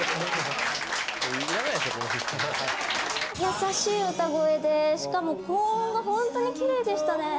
優しい歌声でしかも高音が本当にきれいでしたね。